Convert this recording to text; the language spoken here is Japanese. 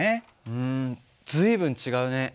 うん随分違うね。